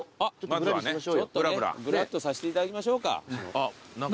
ぶらっとさせていただきましょうか。